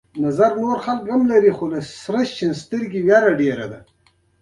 تخیل انسان ته د نړۍ د بدلولو وس ورکړی.